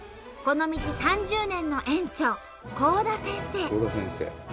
この道３０年の園長幸多先生。